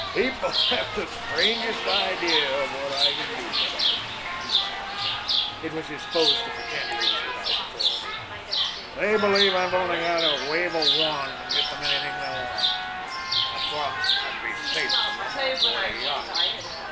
"People have the strangest idea of what I can do for them," he laughed. It was his pose to pretend he was without authority. "They believe I've only to wave a wand, and get them anything they want. I thought I'd be safe from them on board a yacht."